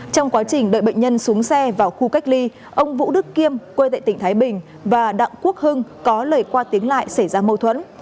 trong quá trình đợi bệnh nhân xuống xe vào khu cách ly ông vũ đức kiêm quê tại tỉnh thái bình và đặng quốc hưng có lời qua tiếng lại xảy ra mâu thuẫn